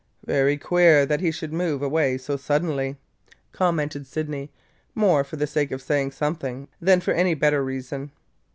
"Very queer that he should move away so suddenly!" commented Sydney, more for the sake of saying something than for any better reason.